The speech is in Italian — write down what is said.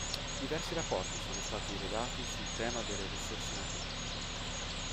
Diversi rapporti sono stati redatti sul tema delle risorse naturali.